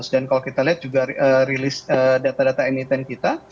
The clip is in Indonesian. dan kalau kita lihat juga rilis data data emiten kita